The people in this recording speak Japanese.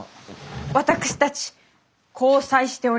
私たち交際しております。